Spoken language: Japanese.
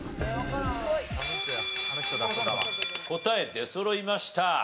答え出そろいました。